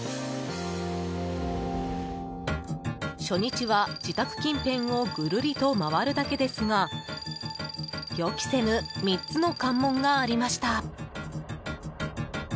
初日は自宅近辺をぐるりと回るだけですが予期せぬ３つの関門がありました。